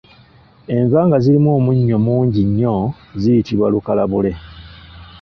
Enva nga zirimu omunnyo mungi nnyo ziyitibwa lukalabule.